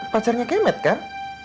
pacarnya kemet kan